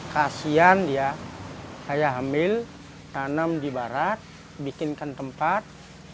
kasian ya saya hamil tanam di barat bikinkan tempat